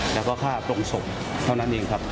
แล้วก็ค่าปลงศพเท่านั้นเองครับ